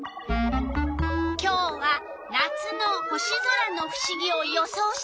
今日は「夏の星空」のふしぎを予想してほしいの。